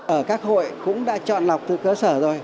ở các hội cũng đã chọn lọc từ cơ sở rồi